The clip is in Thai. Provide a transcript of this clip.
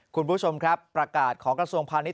คุณผู้ชมครับประกาศของกระทรวงพาณิช